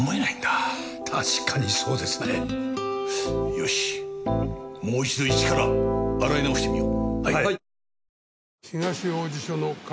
よしもう一度一から洗い直してみよう。